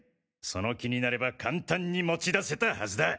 その気になれば簡単に持ち出せたはずだ。